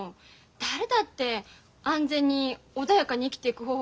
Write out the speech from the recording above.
誰だって安全に穏やかに生きていく方法